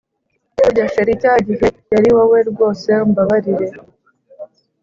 burya chr cyagihe yari wowe, rwose umbabarire